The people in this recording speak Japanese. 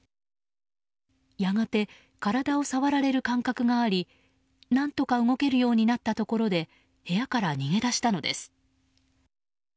やがて、体を触られる感覚があり何とか動けるようになったところで部屋から逃げ出したのです。